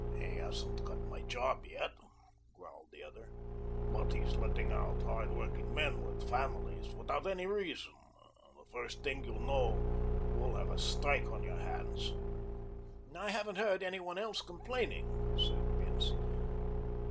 "He hasn't got my job yet," growled the other, "but he's letting out hard working men with families without any reason. The first thing you know you'll have a strike on your hands." "I haven't heard any one else complaining," said Bince.